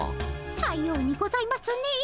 さようにございますねえ。